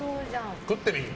食ってみ！